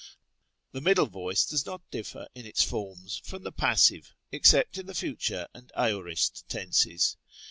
The middle voice does not differ, in its forms, from the pas sive, except in the future and aorist tenses.